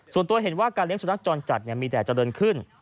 ส่วนตัวเห็นว่าการเลี้ยสุนัขจรจัดมีแต่เจริญขึ้น